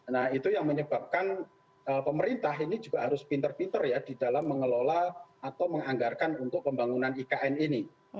nah itu yang menyebabkan pemerintah ini juga harus pinter pinter ya di dalam mengelola atau menganggarkan untuk pembangunan ikn ini